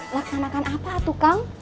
laksanakan apa tuh kang